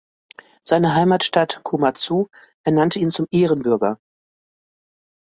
Seine Heimatstadt Komatsu ernannte ihn zum Ehrenbürger.